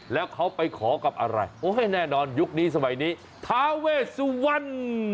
แล้วเขาไปขอกับอะไรโอ้ยแน่นอนยุคนี้สมัยนี้ทาเวสวรรณ